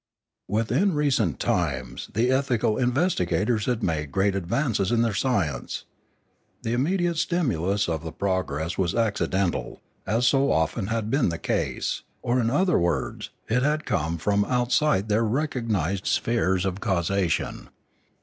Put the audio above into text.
Within recent times the ethical investigators had made great advances in their science. The immediate stimulus of the progress was accidental, as so often had been the case, or in other words it had come from out side their recognised spheres of causation.